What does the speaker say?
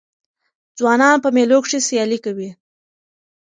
ځوانان په مېلو کښي سیالۍ کوي.